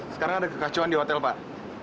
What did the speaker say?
sekarang ada kekacauan di hotel pak